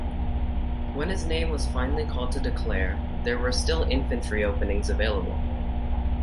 When his name was finally called to declare, there were still infantry openings available.